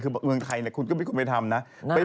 คือเมืองไทยคุณก็เป็นคนไปทำนะ